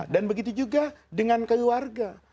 begitu juga dengan keluarga